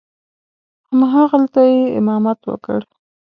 همغلته یې امامت وکړ.